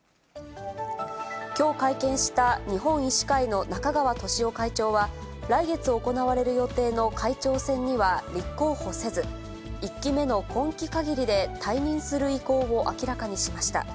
きょう会見した日本医師会の中川俊男会長は、来月行われる予定の会長選には立候補せず、１期目の今季かぎりで退任する意向を明らかにしました。